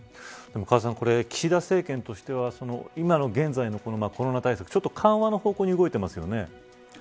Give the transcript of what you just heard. カズさん岸田政権としては今現在のコロナ対策緩和の方向に動いてますよね。